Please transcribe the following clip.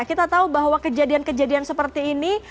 kita tahu bahwa kejadian kejadian seperti ini